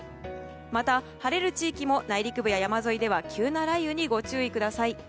また、晴れる地域も内陸部や山沿いでは急な雷雨にご注意ください。